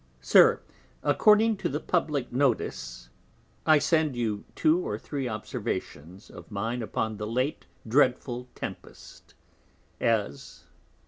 SIR According to the publick Notice, I send you two or three Observations of mine upon the late dreadful Tempest: As, 1.